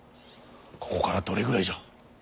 ここからどれぐらいじゃ。